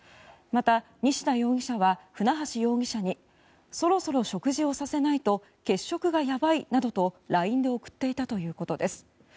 また、西田容疑者は船橋容疑者にそろそろ食事をさせないと血色がやばいなどとＬＩＮＥで送っていたということです。